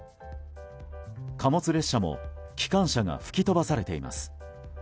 貨物列車も機関車が吹き飛ばされています。